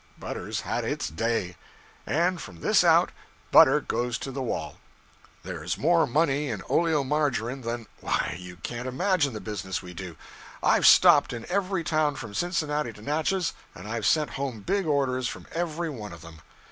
Butter's had its day and from this out, butter goes to the wall. There's more money in oleomargarine than why, you can't imagine the business we do. I've stopped in every town from Cincinnati to Natchez; and I've sent home big orders from every one of them.'